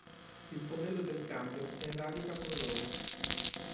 Il pomello del cambio è in radica con logo.